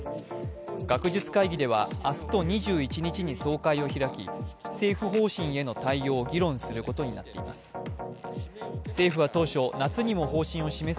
学術会議では、明日と２１日に総会を開き政府方針への対応を議論することになっています。